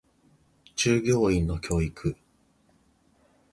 従業者の教育